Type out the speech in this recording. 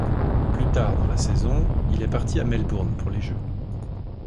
Plus tard dans la saison, il est parti à Melbourne pour les Jeux.